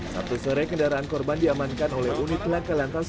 sabtu sore kendaraan korban diamankan oleh unit laka lantas